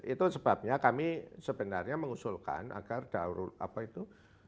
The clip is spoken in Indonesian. itu sebabnya kami sebenarnya mengusulkan agar daur apa itu